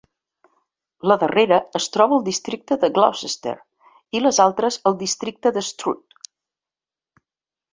La darrera es troba al districte de Gloucester i les altres al districte d'Stroud.